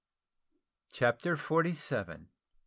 CHAPTER FORTY SEVEN.